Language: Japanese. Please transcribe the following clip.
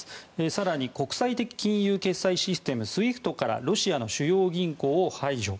更に、国際的金融決済システムＳＷＩＦＴからロシアの主要銀行を排除。